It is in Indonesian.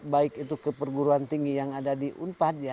baik itu ke perguruan tinggi yang ada di unpad ya